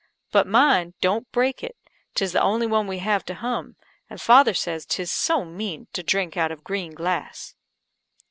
But, mind don't break it 'tis the only one we have to hum; and father says 'tis so mean to drink out of green glass."